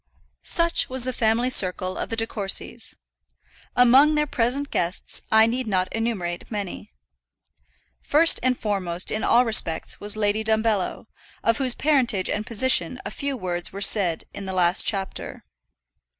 Such was the family circle of the De Courcys. Among their present guests I need not enumerate many. First and foremost in all respects was Lady Dumbello, of whose parentage and position a few words were said in the last chapter.